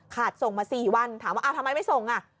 ขาดส่งมาสี่วันถามว่าทำไมไม่ส่งอ่ะ